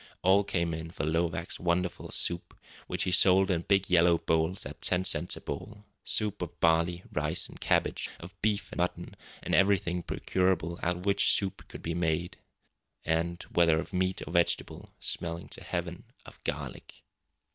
All came in for Lovak's wonderful soup, which he sold in big yellow bowls at ten cents a bowl soup of barley, rice, and cabbage, of beef and mutton, of everything procurable out of which soup could be made, and, whether of meat or vegetable, smelling to heaven of garlic.